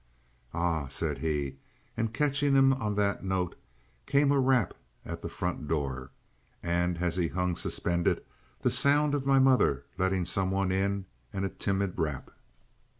"Ah!" said he; and catching him on that note came a rap at the front door, and, as he hung suspended, the sound of my mother letting some one in and a timid rap.